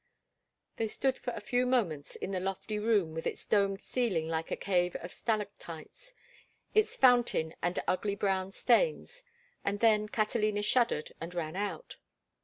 They stood for a few moments in the lofty room with its domed ceiling like a cave of stalactites, its fountain and ugly brown stains, and then Catalina shuddered and ran out.